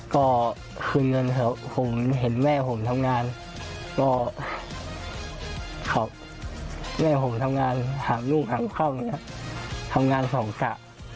ก็คืนเงินผมเห็นแม่ผมทำงานแม่ผมทำงานห่างลูกห่างข้างทำงานสองกะ